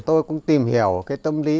tôi cũng tìm hiểu cái tâm lý